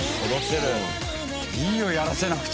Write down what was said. いいよやらせなくて。